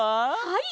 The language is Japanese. はい。